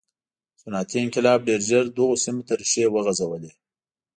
صنعتي انقلاب ډېر ژر دغو سیمو ته ریښې وغځولې.